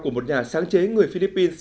của một nhà sáng chế người philippines